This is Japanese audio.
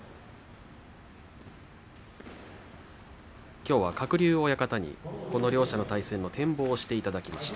きょうは鶴竜親方にこの両者の対戦の展望をしていただきました。